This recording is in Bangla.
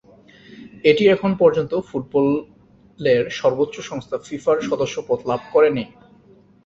এটি এখন পর্যন্ত ফুটবলের সর্বোচ্চ সংস্থা ফিফার সদস্যপদ লাভ করেনি।